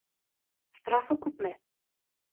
Штрафы күпме?